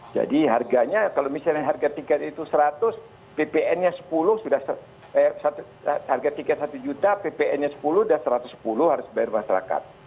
jadi harganya kalau misalnya harga tiket itu seratus ppn nya sepuluh sudah harga tiket satu juta ppn nya sepuluh sudah satu ratus sepuluh harus dibayar masyarakat